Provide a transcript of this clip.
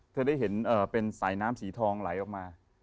เธอได้เห็นเป็นสายน้ำสีทองไหลออกมา